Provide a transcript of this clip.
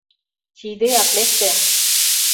Чийыдеак лекте.